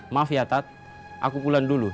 maaf ya tat aku pulang dulu